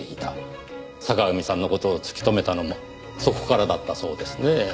坂上さんの事を突き止めたのもそこからだったそうですね。